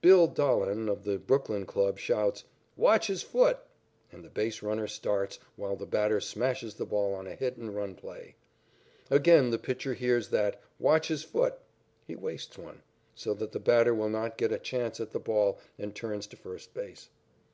"Bill" Dahlen of the Brooklyn club shouts, "Watch his foot," and the base runner starts while the batter smashes the ball on a hit and run play. Again the pitcher hears that "Watch his foot." He "wastes one," so that the batter will not get a chance at the ball and turns to first base.